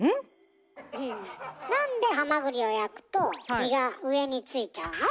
なんでハマグリを焼くと身が上についちゃうの？